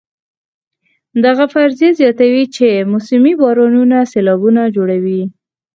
دغه فرضیه زیاتوي چې موسمي بارانونه سېلابونه جوړوي.